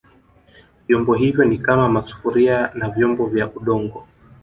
Vyombo hivyo ni kama masufuria na vyombo vya Udongo